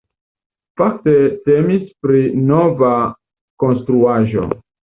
Fakte temis pri nova konstruaĵo.